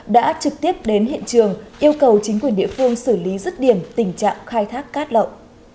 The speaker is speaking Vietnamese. đã trực tiếp đến hiện trường yêu cầu chính quyền địa phương xử lý rứt điểm tình trạng khai thác cát lậu